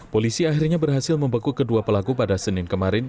polisi akhirnya berhasil membekuk kedua pelaku pada senin kemarin